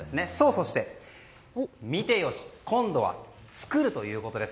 そして、見て良し今度は作るということです。